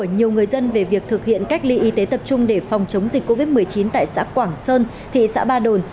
nhiều người dân về việc thực hiện cách ly y tế tập trung để phòng chống dịch covid một mươi chín tại xã quảng sơn thị xã ba đồn